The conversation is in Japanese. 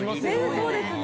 そうですね。